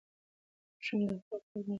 ماشومان د خپل خیال نړۍ کې پرواز کوي.